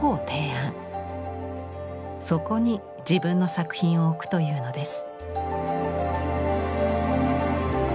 そこに自分の作品を置くというのです。